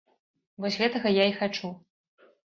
Вось гэтага я і хачу.